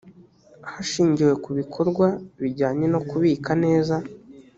hashingiwe ku bikorwa bijyanye no kubika neza